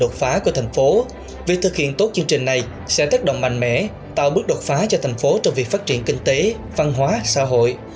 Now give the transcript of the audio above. thực hiện tốt chương trình này sẽ tác động mạnh mẽ tạo bước đột phá cho thành phố trong việc phát triển kinh tế văn hóa xã hội